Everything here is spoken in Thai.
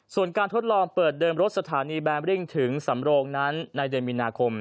ส่วนการทดลองเปิดเดิมรถสถานีแบมริ่งถึงสำโรงนั้นในเดือนมีนาคม